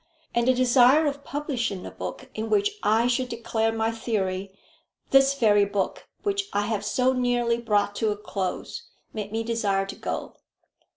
And the desire of publishing a book in which I should declare my theory, this very book which I have so nearly brought to a close, made me desire to go.